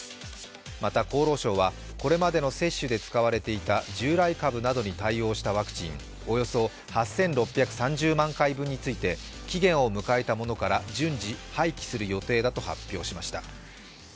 また厚労省はこれまでの接種で使われていた従来株などに対応したワクチン、およそ８６３０万回分について、期限を迎えたものから順次、廃棄する予定だと発表しました。